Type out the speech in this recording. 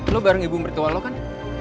lo bareng ibu mertua lo kan